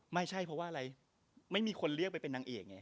ไม่ใช่เพราะว่าอะไรไม่มีคนเรียกไปเป็นนางเอกไง